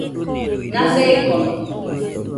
Nase ekono.